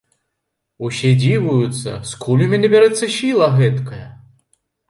Усе дзівуюцца, скуль у мяне бярэцца сіла гэткая?